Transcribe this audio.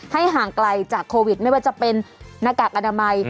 ห่างไกลจากโควิดไม่ว่าจะเป็นหน้ากากอนามัย